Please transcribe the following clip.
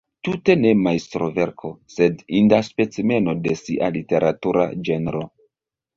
Tute ne majstroverko, sed inda specimeno de sia literatura ĝenro.